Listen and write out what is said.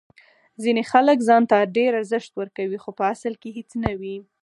ځینې خلک ځان ته ډیر ارزښت ورکوي خو په اصل کې هیڅ نه وي.